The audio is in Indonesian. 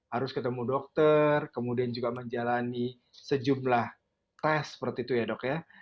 harus ketemu dokter kemudian juga menjalani sejumlah tes seperti itu ya dok ya